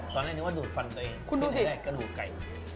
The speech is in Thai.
ตอนแรกนึกว่าดูดฟันตัวเองตอนแรกก็ดูดไก่